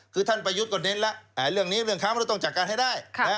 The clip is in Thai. คือท่านประยุทธ์ก็เน้นแล้วเรื่องนี้เรื่องค้ามนุษย์ต้องจัดการให้ได้